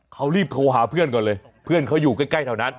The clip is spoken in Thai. เขารีบโทรหาเพื่อนก่อนเลยเพื่อนเขาอยู่ใกล้แถวนั้น